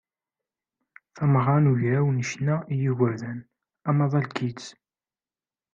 Tameɣra n ugraw n ccna i yigerdan "Amaḍal Kids."